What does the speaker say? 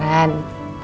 kita main di luar aja